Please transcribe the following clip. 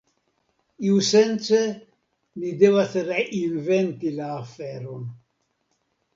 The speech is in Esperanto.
Iusence ni devas reinventi la aferon.